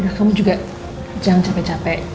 nah kamu juga jangan capek capek